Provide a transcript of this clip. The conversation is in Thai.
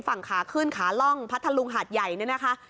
ฝั่งขาขึ้นขาล่องพัทธลุงหาดใหญ่เนี่ยนะคะ